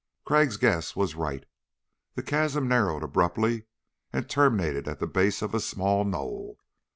Crag's guess was right. The chasm narrowed abruptly and terminated at the base of a small knoll.